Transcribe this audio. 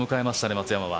松山は。